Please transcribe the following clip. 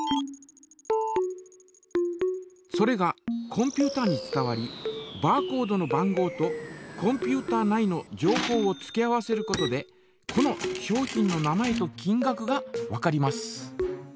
それがコンピュータに伝わりバーコードの番号とコンピュータ内の情報を付け合わせることでこの商品の名前と金がくがわかります。